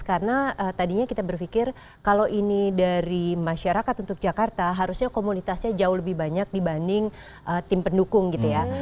karena tadinya kita berpikir kalau ini dari masyarakat untuk jakarta harusnya komunitasnya jauh lebih banyak dibanding tim pendukung gitu ya